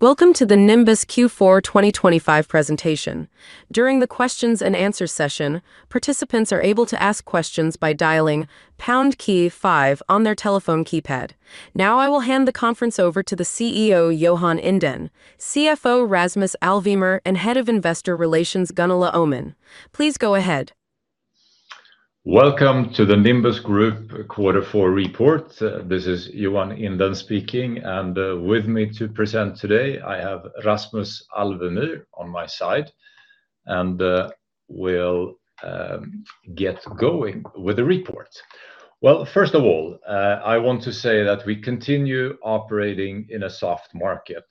Welcome to the Nimbus Q4 2025 presentation. During the questions and answer session, participants are able to ask questions by dialing pound key five on their telephone keypad. Now, I will hand the conference over to the CEO, Johan Inden, CFO, Rasmus Alvemyr, and Head of Investor Relations, Gunilla Öhman. Please go ahead. Welcome to the Nimbus Group Quarter Four report. This is Johan Inden speaking, and with me to present today, I have Rasmus Alvemyr on my side. We'll get going with the report. Well, first of all, I want to say that we continue operating in a soft market.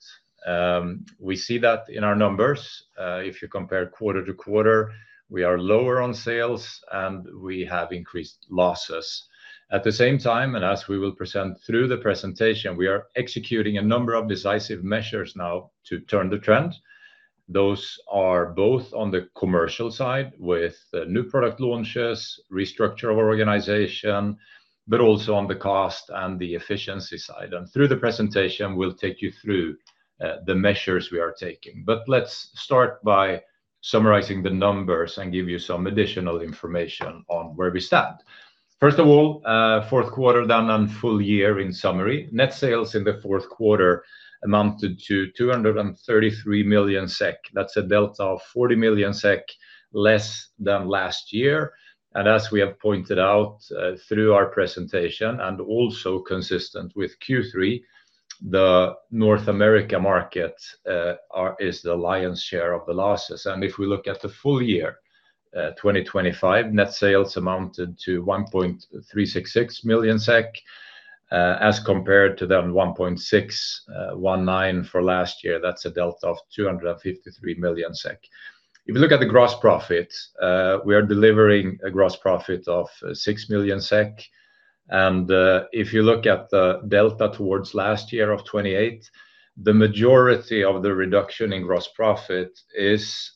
We see that in our numbers. If you compare quarter to quarter, we are lower on sales, and we have increased losses. At the same time, and as we will present through the presentation, we are executing a number of decisive measures now to turn the trend. Those are both on the commercial side, with new product launches, restructure of organization, but also on the cost and the efficiency side. Through the presentation, we'll take you through the measures we are taking. Let's start by summarizing the numbers and give you some additional information on where we stand. First of all, fourth quarter and full year in summary. Net sales in the fourth quarter amounted to 233 million SEK. That's a delta of 40 million SEK less than last year. And as we have pointed out, through our presentation, and also consistent with Q3, the North America market is the lion's share of the losses. And if we look at the full year, 2025, net sales amounted to 1.366 million SEK, as compared to the 1.619 million for last year. That's a delta of 253 million SEK. If you look at the gross profit, we are delivering a gross profit of 6 million SEK. If you look at the delta towards last year of 28, the majority of the reduction in gross profit is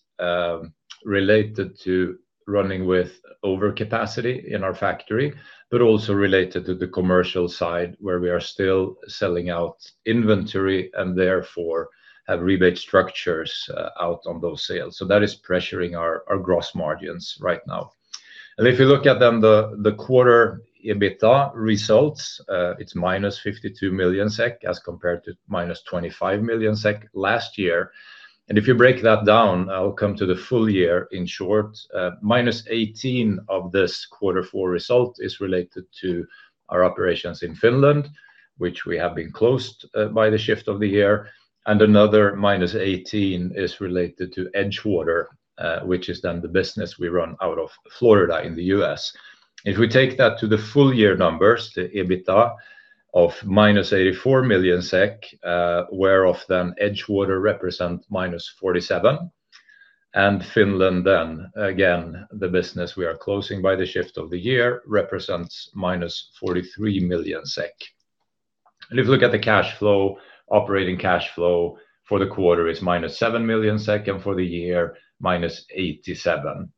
related to running with overcapacity in our factory, but also related to the commercial side, where we are still selling out inventory, and therefore, have rebate structures out on those sales. So that is pressuring our gross margins right now. And if you look at then the quarter EBITDA results, it's -52 million SEK, as compared to -25 million SEK last year. And if you break that down, I'll come to the full year in short. -18 of this quarter four result is related to our operations in Finland, which we have been closed by the shift of the year, and another -18 is related to EdgeWater, which is then the business we run out of Florida in the U.S. If we take that to the full year numbers, the EBITDA of -84 million SEK, where of then EdgeWater represent -47, and Finland, then again, the business we are closing by the shift of the year represents -43 million SEK. If you look at the cash flow, operating cash flow for the quarter is -7 million, and for the year, -87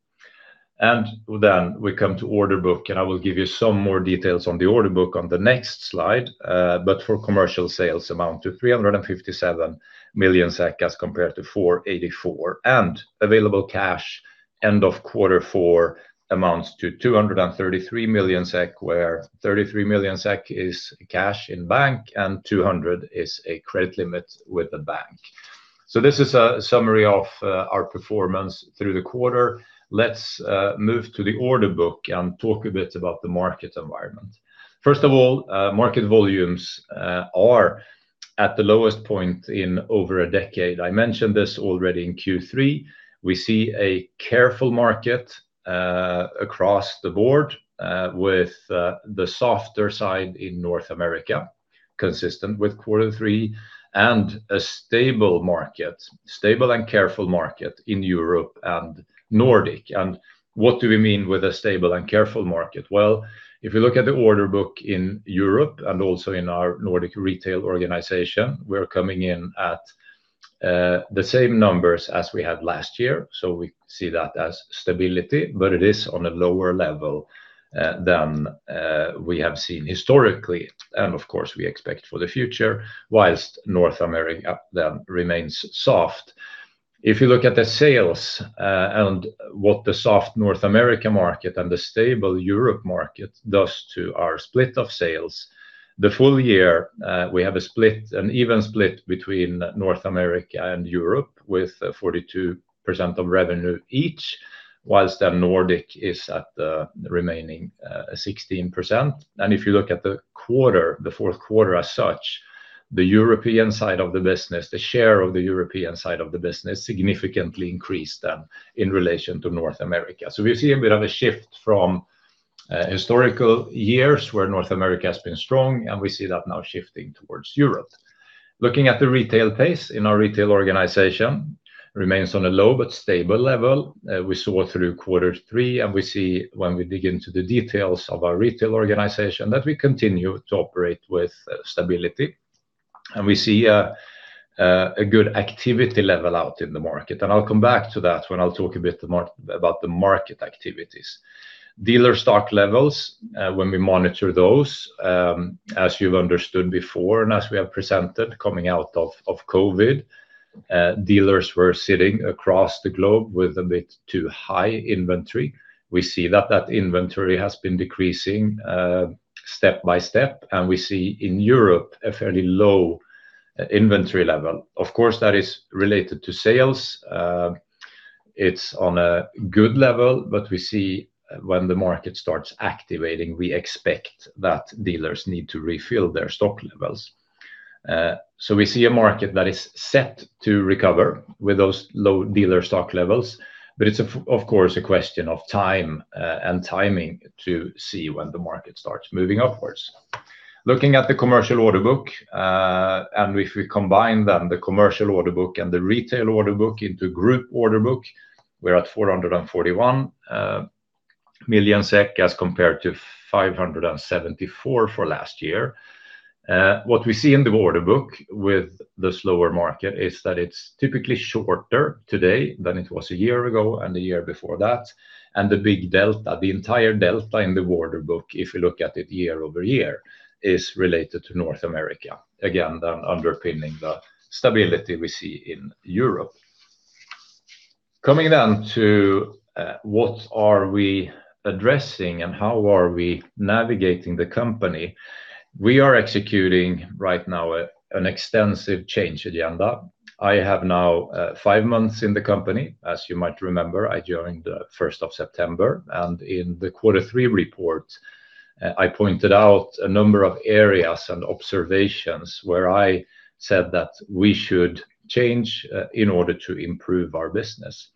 million. Then we come to order book, and I will give you some more details on the order book on the next slide. But for commercial sales amount to 357 million SEK, as compared to 484 million. And available cash, end of quarter four amounts to 233 million SEK, where 33 million SEK is cash in bank, and 200 is a credit limit with the bank. So this is a summary of our performance through the quarter. Let's move to the order book and talk a bit about the market environment. First of all, market volumes are at the lowest point in over a decade. I mentioned this already in Q3. We see a careful market across the board with the softer side in North America, consistent with quarter three, and a stable market, stable and careful market in Europe and Nordic. And what do we mean with a stable and careful market? Well, if you look at the order book in Europe and also in our Nordic retail organization, we're coming in at the same numbers as we had last year. So we see that as stability, but it is on a lower level than we have seen historically, and of course, we expect for the future, whilst North America then remains soft. If you look at the sales, and what the soft North America market and the stable Europe market does to our split of sales, the full year, we have a split, an even split between North America and Europe, with 42% of revenue each, whilst the Nordic is at the remaining 16%. And if you look at the quarter, the fourth quarter as such, the European side of the business, the share of the European side of the business, significantly increased then in relation to North America. So we've seen a bit of a shift from, historical years where North America has been strong, and we see that now shifting towards Europe. Looking at the retail pace in our retail organization, remains on a low but stable level. We saw through quarter three, and we see when we dig into the details of our retail organization, that we continue to operate with, stability, and we see a good activity level out in the market. And I'll come back to that when I'll talk a bit about the market activities. Dealer stock levels, when we monitor those, as you've understood before and as we have presented, coming out of COVID, dealers were sitting across the globe with a bit too high inventory. We see that that inventory has been decreasing, step by step, and we see in Europe a fairly low inventory level. Of course, that is related to sales. It's on a good level, but we see when the market starts activating, we expect that dealers need to refill their stock levels. So we see a market that is set to recover with those low dealer stock levels, but it's of course a question of time and timing to see when the market starts moving upwards. Looking at the commercial order book, and if we combine them, the commercial order book and the retail order book into group order book, we're at 441 million SEK as compared to 574 million for last year. What we see in the order book with the slower market is that it's typically shorter today than it was a year ago and the year before that, and the big delta, the entire delta in the order book, if you look at it year-over-year, is related to North America. Again, then underpinning the stability we see in Europe. Coming down to what are we addressing and how are we navigating the company, we are executing right now an extensive change agenda. I have now five months in the company. As you might remember, I joined the first of September, and in the Quarter Three report, I pointed out a number of areas and observations where I said that we should change in order to improve our business.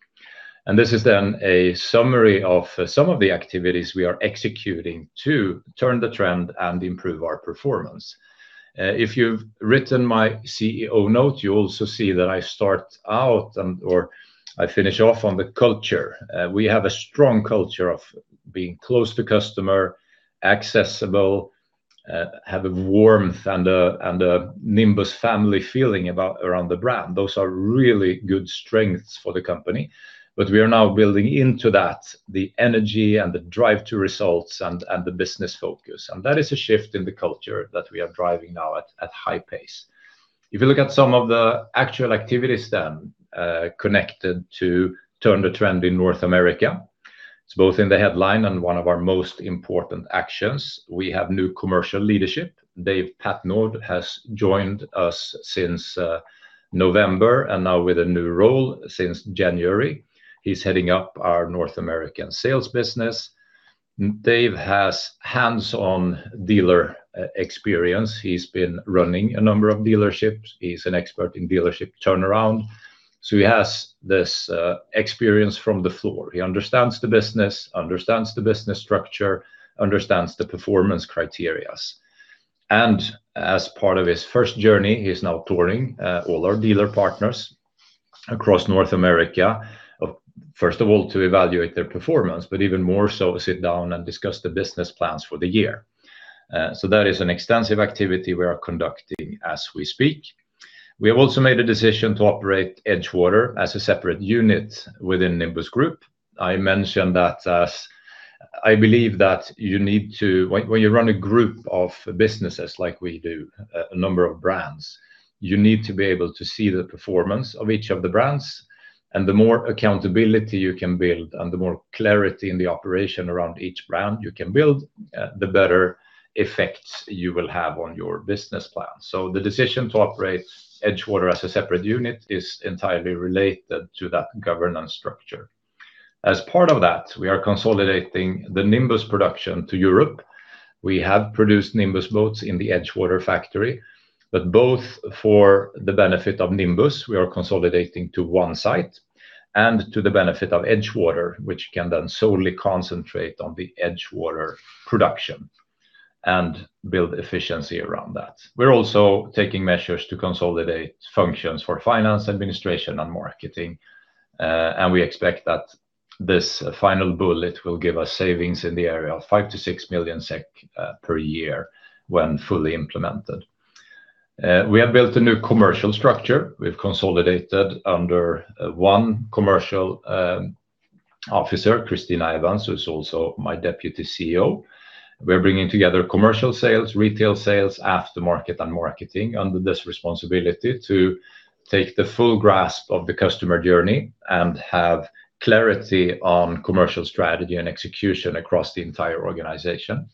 And this is then a summary of some of the activities we are executing to turn the trend and improve our performance. If you've written my CEO note, you also see that I start out and/or I finish off on the culture. We have a strong culture of being close to customer, accessible, have a warmth and a, and a Nimbus family feeling about around the brand. Those are really good strengths for the company, but we are now building into that, the energy and the drive to results and, and the business focus. And that is a shift in the culture that we are driving now at high pace. If you look at some of the actual activities then connected to turn the trend in North America, it's both in the headline and one of our most important actions. We have new commercial leadership. Dave Patenaude has joined us since November, and now with a new role since January. He's heading up our North American sales business. Dave has hands-on dealer experience. He's been running a number of dealerships. He's an expert in dealership turnaround, so he has this experience from the floor. He understands the business, understands the business structure, understands the performance criteria. And as part of his first journey, he's now touring all our dealer partners across North America. First of all, to evaluate their performance, but even more so, sit down and discuss the business plans for the year. So that is an extensive activity we are conducting as we speak. We have also made a decision to operate EdgeWater as a separate unit within Nimbus Group. I mentioned that as I believe that you need to... When you run a group of businesses like we do, a number of brands, you need to be able to see the performance of each of the brands, and the more accountability you can build, and the more clarity in the operation around each brand you can build, the better effects you will have on your business plan. So the decision to operate EdgeWater as a separate unit is entirely related to that governance structure. As part of that, we are consolidating the Nimbus production to Europe. We have produced Nimbus boats in the EdgeWater factory, but both for the benefit of Nimbus, we are consolidating to one site, and to the benefit of EdgeWater, which can then solely concentrate on the EdgeWater production and build efficiency around that. We're also taking measures to consolidate functions for finance, administration, and marketing, and we expect that this final bullet will give us savings in the area of 5 million-6 million SEK per year when fully implemented. We have built a new commercial structure. We've consolidated under one commercial officer, Christina Evans, who's also my Deputy CEO. We're bringing together commercial sales, retail sales, aftermarket, and marketing under this responsibility to take the full grasp of the customer journey and have clarity on commercial strategy and execution across the entire organization.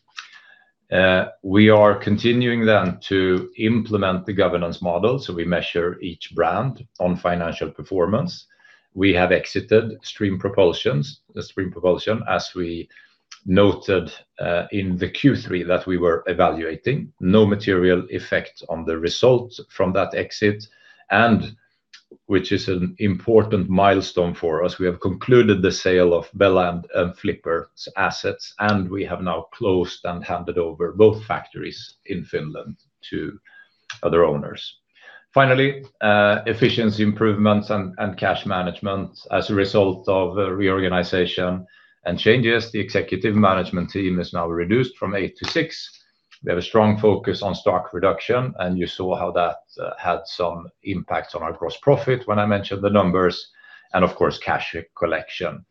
We are continuing then to implement the governance model, so we measure each brand on financial performance. We have exited Stream Propulsion, the Stream Propulsion, as we noted in the Q3, that we were evaluating. No material effect on the results from that exit, and which is an important milestone for us, we have concluded the sale of Bella and Flipper's assets, and we have now closed and handed over both factories in Finland to other owners. Finally, efficiency improvements and cash management as a result of a reorganization and changes, the executive management team is now reduced from eight to six. We have a strong focus on stock reduction, and you saw how that had some impact on our gross profit when I mentioned the numbers, and of course, cash collection.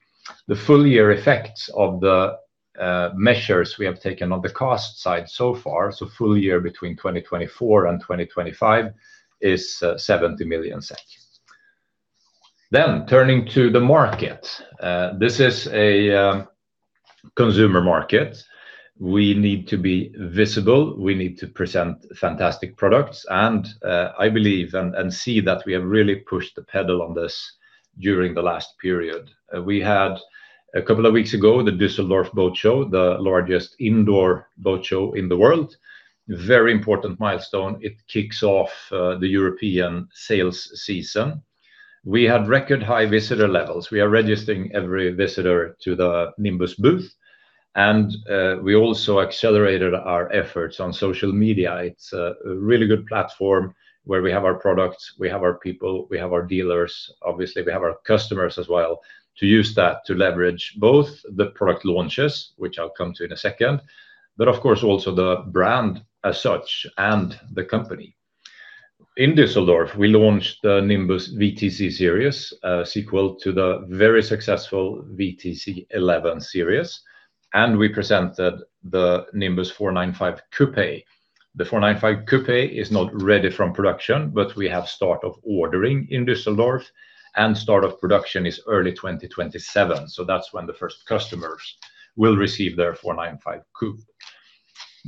The full year effects of the-... Measures we have taken on the cost side so far, so full year between 2024 and 2025, is, 70 million SEK. Then turning to the market, this is a consumer market. We need to be visible, we need to present fantastic products, and, I believe and, and see that we have really pushed the pedal on this during the last period. We had, a couple of weeks ago, the Düsseldorf Boat Show, the largest indoor boat show in the world. Very important milestone. It kicks off, the European sales season. We had record high visitor levels. We are registering every visitor to the Nimbus booth, and, we also accelerated our efforts on social media. It's a really good platform where we have our products, we have our people, we have our dealers, obviously, we have our customers as well, to use that to leverage both the product launches, which I'll come to in a second, but of course, also the brand as such and the company. In Düsseldorf, we launched the Nimbus WTC series, a sequel to the very successful WTC 11 series, and we presented the Nimbus 495 Coupé. The 495 Coupé is not ready from production, but we have start of ordering in Düsseldorf, and start of production is early 2027, so that's when the first customers will receive their 495 Coupé.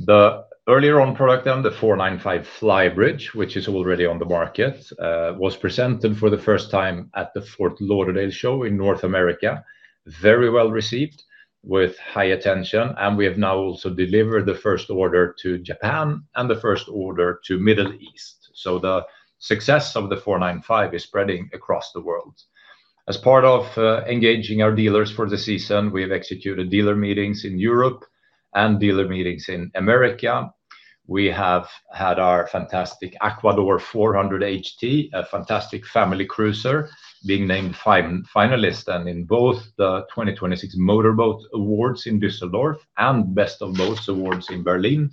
The earlier on product, then, the 495 Flybridge, which is already on the market, was presented for the first time at the Fort Lauderdale Show in North America. Very well-received, with high attention, and we have now also delivered the first order to Japan and the first order to Middle East. So the success of the 495 is spreading across the world. As part of engaging our dealers for the season, we have executed dealer meetings in Europe and dealer meetings in America. We have had our fantastic Aquador 400 HT, a fantastic family cruiser, being named finalist, and in both the 2026 Motor Boat Awards in Düsseldorf and Best of Boats Awards in Berlin.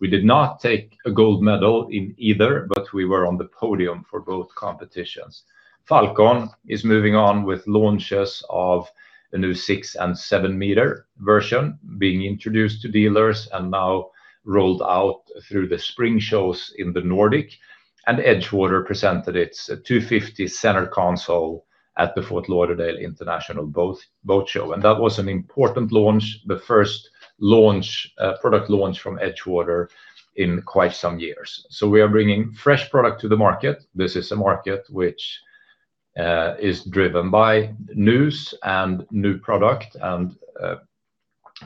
We did not take a gold medal in either, but we were on the podium for both competitions. Falcon is moving on with launches of a new 6 m and 7 m version being introduced to dealers, and now rolled out through the spring shows in the Nordic. EdgeWater presented its 250 center console at the Fort Lauderdale International Boat Show, and that was an important launch, the first launch, product launch from EdgeWater in quite some years. So we are bringing fresh product to the market. This is a market which is driven by news and new product, and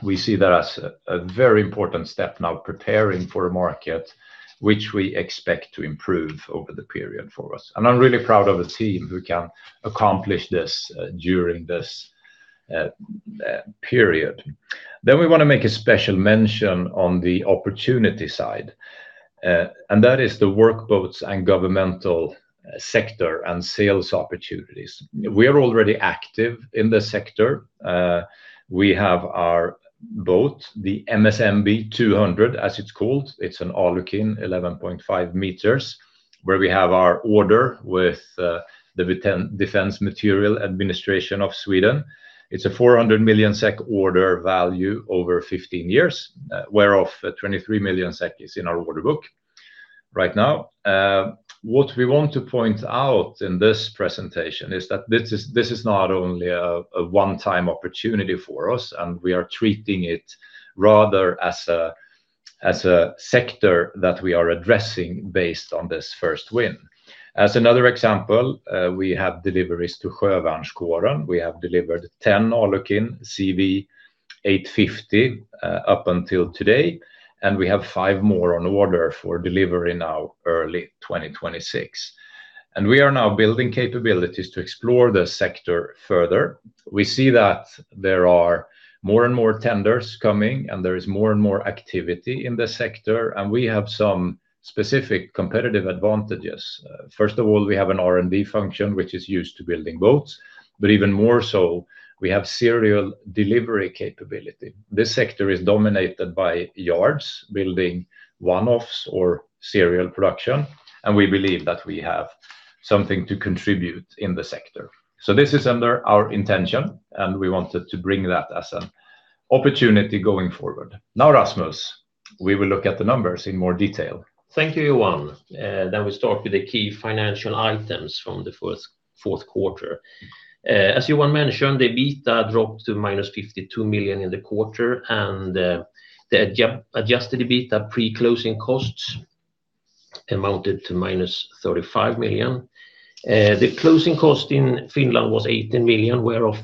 we see that as a very important step now, preparing for a market which we expect to improve over the period for us. And I'm really proud of the team who can accomplish this during this period. Then we want to make a special mention on the opportunity side, and that is the work boats and governmental sector and sales opportunities. We are already active in the sector. We have our boat, the MSMB 200, as it's called. It's an Alukin 11.5 m, where we have our order with the Swedish Defence Materiel Administration. It's a 400 million SEK order value over 15 years, whereof 23 million SEK is in our order book right now. What we want to point out in this presentation is that this is, this is not only a one-time opportunity for us, and we are treating it rather as a sector that we are addressing based on this first win. As another example, we have deliveries to Sjövärnskåren. We have delivered 10 Alukin CW 850 up until today, and we have five more on order for delivery now, early 2026. We are now building capabilities to explore the sector further. We see that there are more and more tenders coming, and there is more and more activity in the sector, and we have some specific competitive advantages. First of all, we have an R&D function, which is used to building boats, but even more so, we have serial delivery capability. This sector is dominated by yards building one-offs or serial production, and we believe that we have something to contribute in the sector. So this is under our intention, and we wanted to bring that as an opportunity going forward. Now, Rasmus, we will look at the numbers in more detail. Thank you, Johan. Then we start with the key financial items from the fourth quarter. As Johan mentioned, the EBITDA dropped to -52 million in the quarter, and the adjusted EBITDA pre-closing costs amounted to -35 million. The closing cost in Finland was 18 million, whereof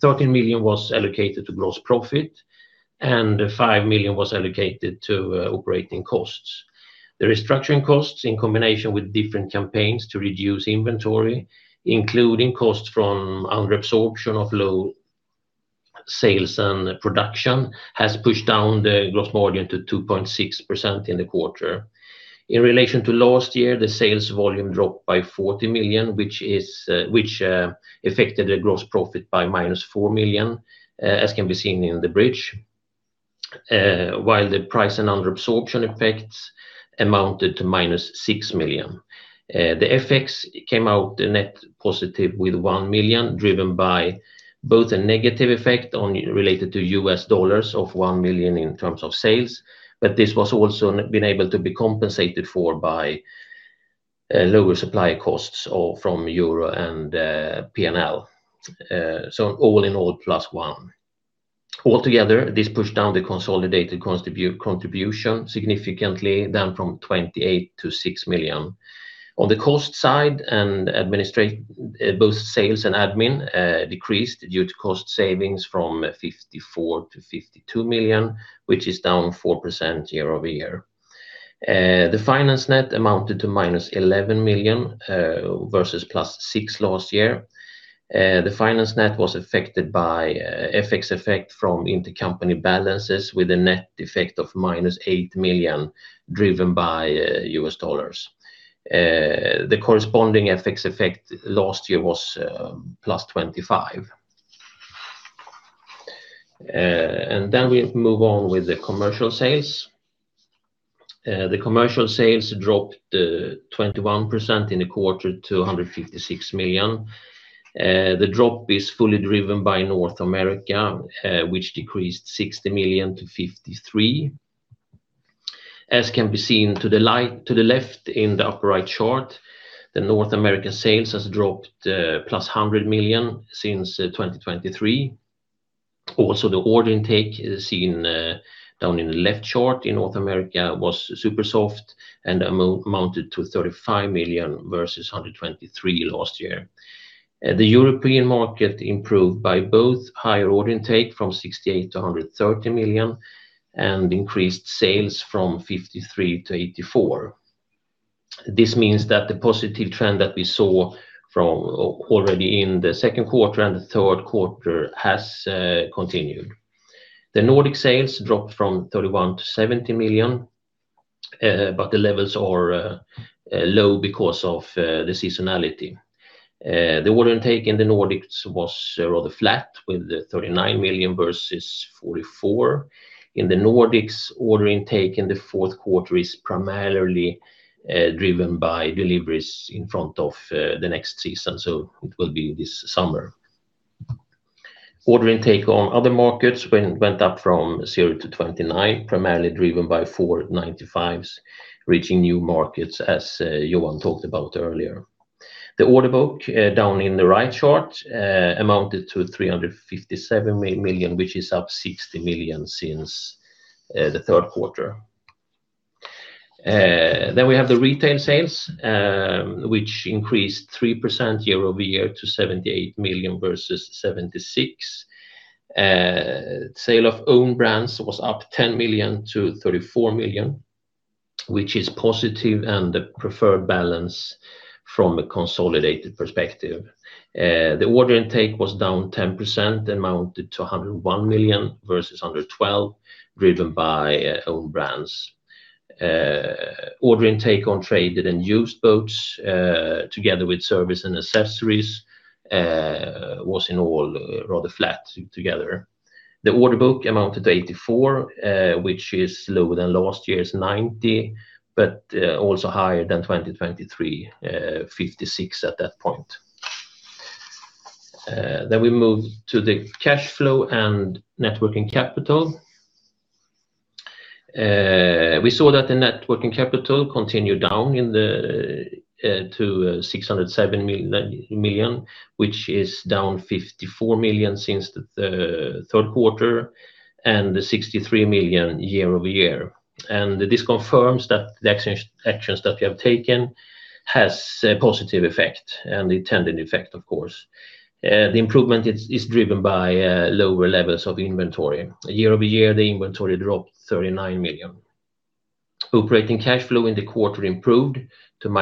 13 million was allocated to gross profit, and 5 million was allocated to operating costs. The restructuring costs, in combination with different campaigns to reduce inventory, including costs from under absorption of low sales and production, has pushed down the gross margin to 2.6% in the quarter. In relation to last year, the sales volume dropped by 40 million, which affected the gross profit by -4 million, as can be seen in the bridge, while the price and under absorption effects amounted to -6 million. The effects came out net positive with 1 million, driven by both a negative effect on, related to U.S. dollars of $1 million in terms of sales, but this was also been able to be compensated for by lower supply costs all from euro and PNL. So all in all, +1 million. Altogether, this pushed down the consolidated contribution significantly, down from 28 million-6 million. On the cost side and administra- both sales and admin decreased due to cost savings from 54 million-52 million, which is down 4% year-over-year. The finance net amounted to -11 million versus +6 million last year. The finance net was affected by FX effect from intercompany balances, with a net effect of -8 million, driven by U.S. dollars. The corresponding FX effect last year was +25. Then we move on with the commercial sales. The commercial sales dropped 21% in the quarter to 156 million. The drop is fully driven by North America, which decreased 60 million-53 million. As can be seen in the slide to the left in the upper right chart, the North American sales has dropped +100 million since 2023. Also, the order intake is seen down in the left chart in North America, was super soft and amounted to 35 million versus 123 million last year. The European market improved by both higher order intake from 68 million-130 million, and increased sales from 53 million-84 million. This means that the positive trend that we saw from already in the second quarter and the third quarter has continued. The Nordic sales dropped from 31 million-17 million, but the levels are low because of the seasonality. The order intake in the Nordics was rather flat, with 39 million versus 44 million. In the Nordics, order intake in the fourth quarter is primarily driven by deliveries in front of the next season, so it will be this summer. Order intake on other markets went up from 0 to 29 million, primarily driven by 495s, reaching new markets, as Johan talked about earlier. The order book, down in the right chart, amounted to 357 million, which is up 60 million since the third quarter. Then we have the retail sales, which increased 3% year-over-year to 78 million, versus 76 million. Sale of own brands was up 10 million-34 million, which is positive, and the preferred balance from a consolidated perspective. The order intake was down 10%, amounted to 101 million versus 112 million, driven by own brands. Order intake on traded and used boats, together with service and accessories, was in all rather flat together. The order book amounted to 84, which is lower than last year's 90, but also higher than 2023, 56 at that point. Then we move to the cash flow and net working capital. We saw that the net working capital continued down in the to 607 million, which is down 54 million since the third quarter, and 63 million year-over-year. This confirms that the actions that we have taken has a positive effect and the intended effect, of course. The improvement is driven by lower levels of inventory. Year-over-year, the inventory dropped 39 million. Operating cash flow in the quarter improved to -11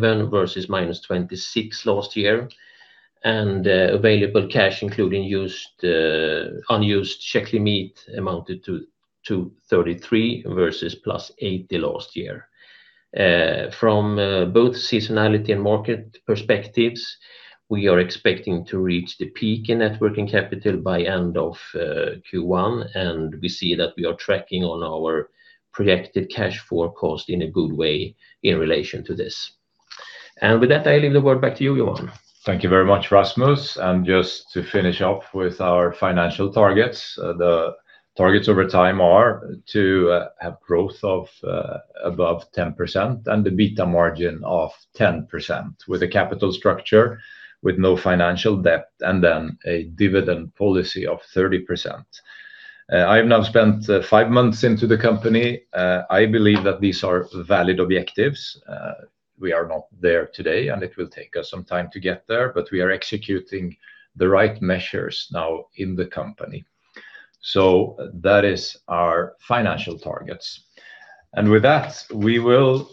million, versus -26 million last year. Available cash, including unused check limit, amounted to 33 million versus +80 million last year. From both seasonality and market perspectives, we are expecting to reach the peak in net working capital by end of Q1, and we see that we are tracking on our projected cash forecast in a good way in relation to this. And with that, I leave the word back to you, Johan. Thank you very much, Rasmus. And just to finish up with our financial targets, the targets over time are to have growth of above 10% and the EBITDA margin of 10%, with a capital structure with no financial debt, and then a dividend policy of 30%. I have now spent five months into the company. I believe that these are valid objectives. We are not there today, and it will take us some time to get there, but we are executing the right measures now in the company. So that is our financial targets. And with that, we will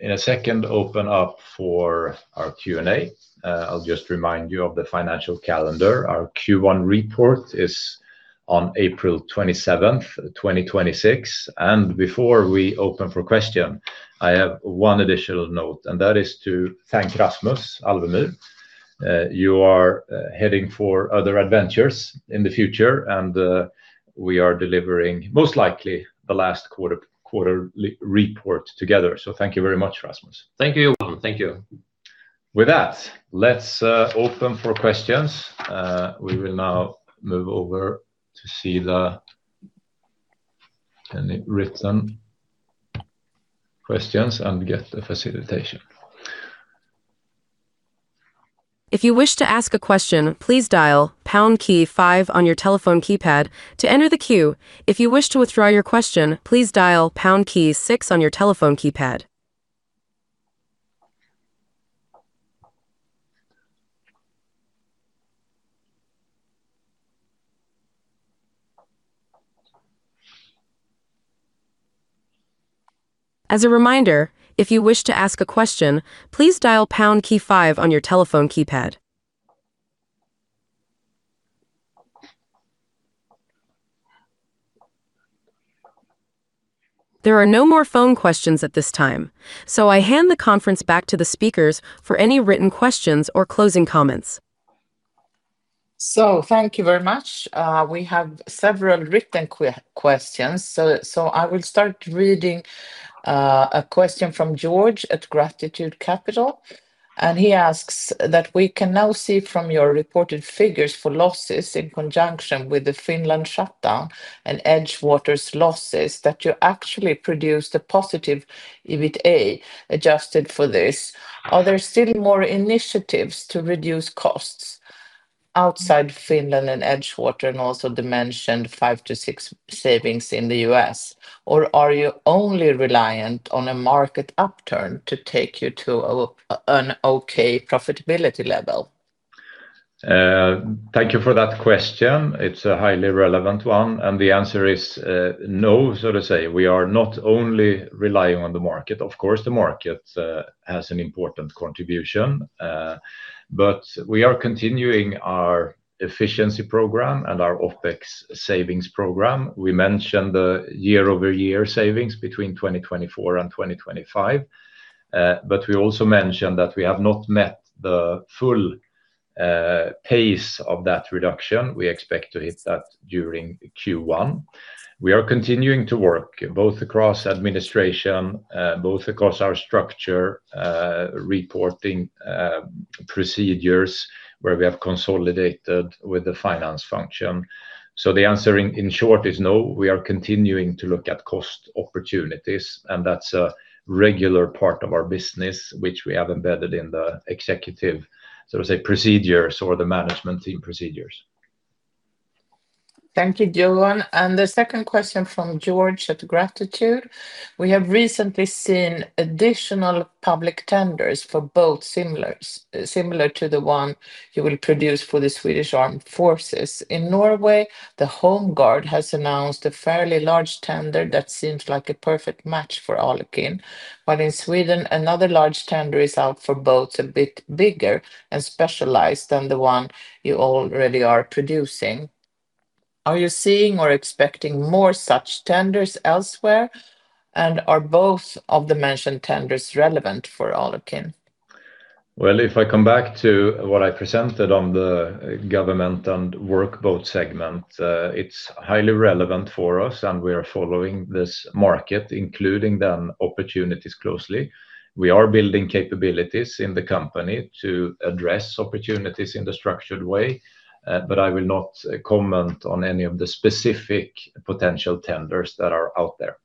in a second open up for our Q&A. I'll just remind you of the financial calendar. Our Q1 report is on April 27, 2026. Before we open for question, I have one additional note, and that is to thank Rasmus Alvemyr. You are heading for other adventures in the future, and we are delivering, most likely, the last quarter report together. So thank you very much, Rasmus. Thank you, Johan. Thank you. With that, let's open for questions. We will now move over to see any written questions and get the facilitation. If you wish to ask a question, please dial pound key five on your telephone keypad to enter the queue. If you wish to withdraw your question, please dial pound key six on your telephone keypad. As a reminder, if you wish to ask a question, please dial pound key five on your telephone keypad. There are no more phone questions at this time, so I hand the conference back to the speakers for any written questions or closing comments. Thank you very much. We have several written questions, so I will start reading a question from George at Gratitude Capital. And he asks that we can now see from your reported figures for losses in conjunction with the Finland shutdown and EdgeWater's losses, that you actually produced a positive EBITDA adjusted for this. Are there still more initiatives to reduce costs outside Finland and EdgeWater, and also the mentioned five to six savings in the US? Or are you only reliant on a market upturn to take you to an okay profitability level? Thank you for that question. It's a highly relevant one, and the answer is, no, so to say. We are not only relying on the market. Of course, the market has an important contribution, but we are continuing our efficiency program and our OpEx savings program. We mentioned the year-over-year savings between 2024 and 2025, but we also mentioned that we have not met the full pace of that reduction. We expect to hit that during Q1. We are continuing to work, both across administration, both across our structure, reporting procedures, where we have consolidated with the finance function. So the answer in short is no, we are continuing to look at cost opportunities, and that's a regular part of our business, which we have embedded in the executive, so to say, procedures or the management team procedures. Thank you, Johan. And the second question from George at Gratitude: We have recently seen additional public tenders for both similar to the one you will produce for the Swedish Armed Forces. In Norway, the Home Guard has announced a fairly large tender that seems like a perfect match for Alukin, but in Sweden, another large tender is out for boats a bit bigger and specialized than the one you already are producing. Are you seeing or expecting more such tenders elsewhere, and are both of the mentioned tenders relevant for Alukin? Well, if I come back to what I presented on the government and workboat segment, it's highly relevant for us, and we are following this market, including the opportunities closely. We are building capabilities in the company to address opportunities in the structured way, but I will not comment on any of the specific potential tenders that are out there.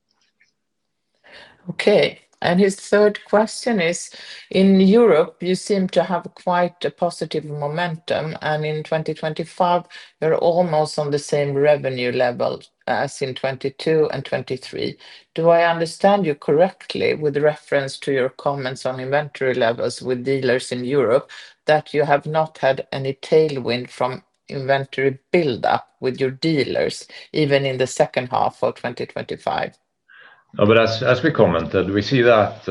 Okay, and his third question is: In Europe, you seem to have quite a positive momentum, and in 2025, you're almost on the same revenue level as in 2022 and 2023. Do I understand you correctly, with reference to your comments on inventory levels with dealers in Europe, that you have not had any tailwind from inventory buildup with your dealers, even in the second half of 2025? No, but as we commented, we see that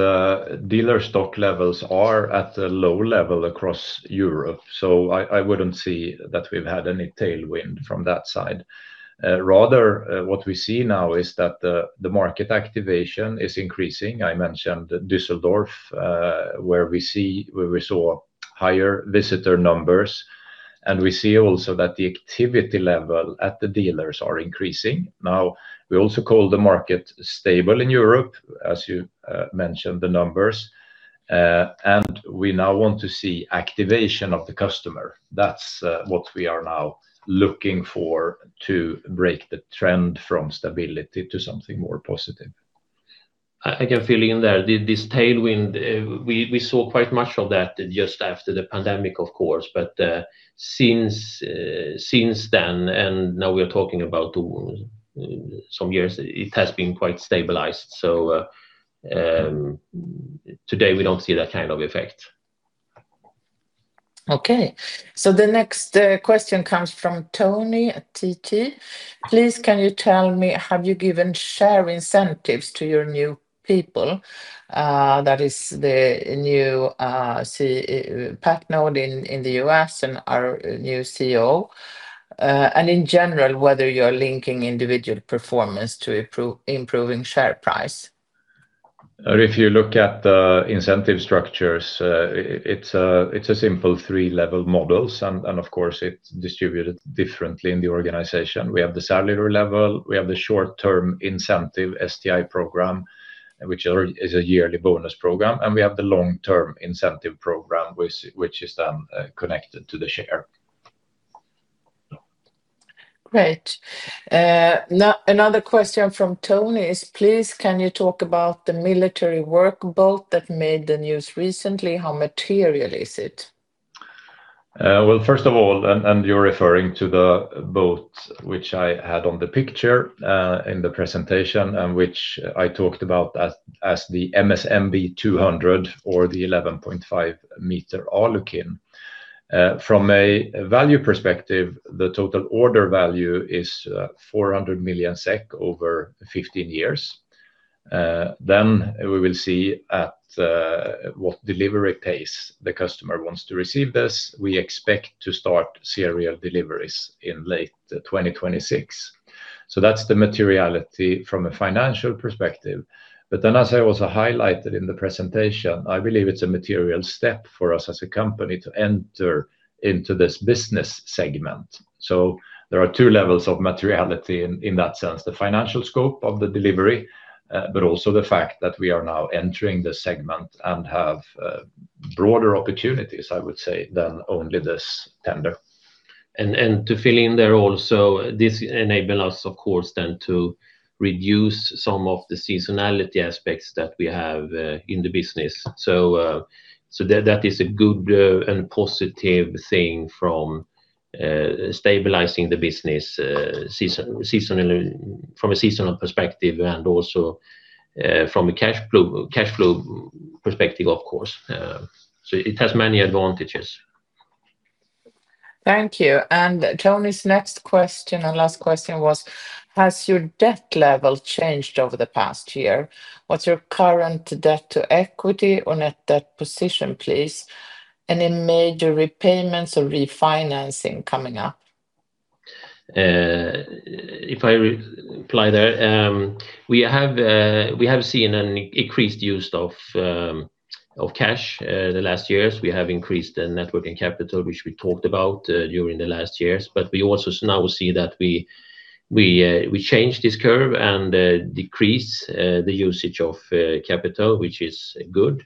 dealer stock levels are at a low level across Europe, so I wouldn't say that we've had any tailwind from that side. Rather, what we see now is that the market activation is increasing. I mentioned Düsseldorf, where we saw higher visitor numbers, and we see also that the activity level at the dealers are increasing. Now, we also call the market stable in Europe, as you mentioned the numbers, and we now want to see activation of the customer. That's what we are now looking for to break the trend from stability to something more positive. I can fill in there. This tailwind, we saw quite much of that just after the pandemic, of course, but since then, and now we are talking about some years, it has been quite stabilized. So, today, we don't see that kind of effect. Okay. So the next question comes from Tony at TT. Please, can you tell me, have you given share incentives to your new people? That is the new Dave Patenaude in the U.S. and our new CEO. And in general, whether you're linking individual performance to improving share price. If you look at the incentive structures, it's a simple three-level models, and of course, it's distributed differently in the organization. We have the salary level, we have the short-term incentive, STI program, which is a yearly bonus program, and we have the long-term incentive program, which is then connected to the share. Great. Now another question from Tony is, "Please, can you talk about the military work boat that made the news recently? How material is it? Well, first of all, you're referring to the boat which I had on the picture in the presentation, and which I talked about as the MSMB 200 or the 11.5 m Alukin. From a value perspective, the total order value is 400 million SEK over 15 years. Then we will see at what delivery pace the customer wants to receive this. We expect to start serial deliveries in late 2026. So that's the materiality from a financial perspective. But then, as I also highlighted in the presentation, I believe it's a material step for us as a company to enter into this business segment. There are two levels of materiality in that sense, the financial scope of the delivery, but also the fact that we are now entering the segment and have broader opportunities, I would say, than only this tender. And to fill in there also, this enable us, of course, then, to reduce some of the seasonality aspects that we have in the business. So that is a good and positive thing from stabilizing the business seasonally, from a seasonal perspective and also from a cash flow perspective, of course. So it has many advantages. Thank you. And Tony's next question and last question was, "Has your debt level changed over the past year? What's your current debt to equity or net debt position, please? Any major repayments or refinancing coming up? If I reply there, we have seen an increased use of cash the last years. We have increased the net working capital, which we talked about during the last years. But we also now see that we change this curve and decrease the usage of capital, which is good.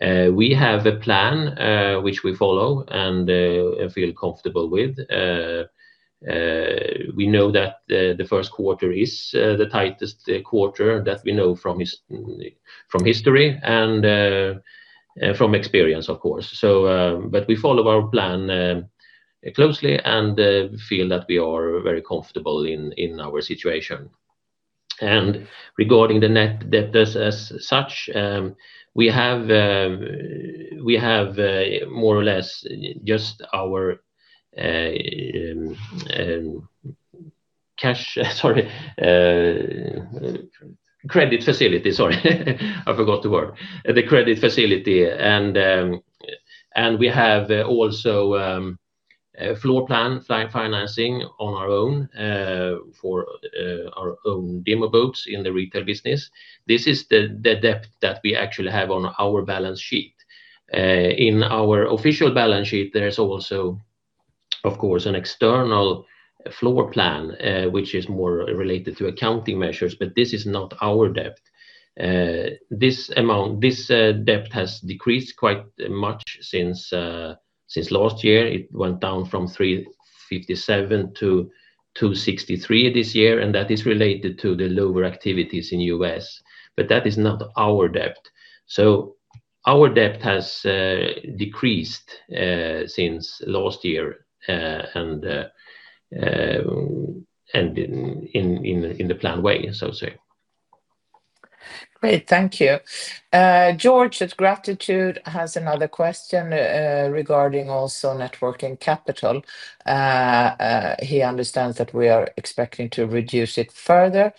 We have a plan which we follow and feel comfortable with. We know that the first quarter is the tightest quarter. That we know from history and from experience, of course. So but we follow our plan closely, and feel that we are very comfortable in our situation. Regarding the net debt as such, we have more or less just our cash... Sorry, Credit facility. Credit facility, sorry. I forgot the word. The credit facility, and we have also a floor plan financing on our own for our own demo boats in the retail business. This is the debt that we actually have on our balance sheet. In our official balance sheet, there's also, of course, an external floor plan, which is more related to accounting measures, but this is not our debt. This amount, this debt has decreased quite much since last year. It went down from 357-263 this year, and that is related to the lower activities in the U.S., but that is not our debt. So our debt has decreased since last year, and in the planned way, so to say. Great, thank you. George at Gratitude has another question, regarding also net working capital. He understands that we are expecting to reduce it further.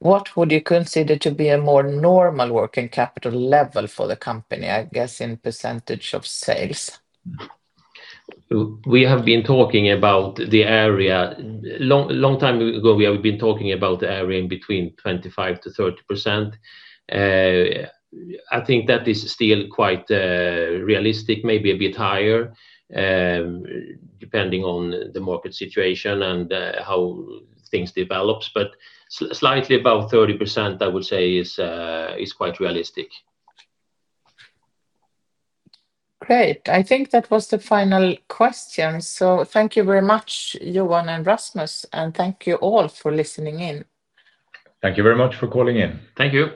What would you consider to be a more normal working capital level for the company, I guess, in percentage of sales? We have been talking about the area... Long, long time ago, we have been talking about the area in between 25%-30%. I think that is still quite realistic, maybe a bit higher, depending on the market situation and how things develops. But slightly above 30%, I would say, is quite realistic. Great. I think that was the final question. So thank you very much, Johan and Rasmus, and thank you all for listening in. Thank you very much for calling in. Thank you!